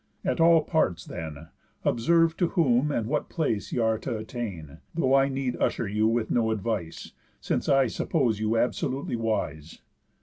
At all parts, then, Observe to whom and what place y' are t' attain; Though I need usher you with no advice, Since I suppose you absolutely wise.